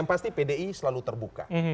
yang pasti pdi selalu terbuka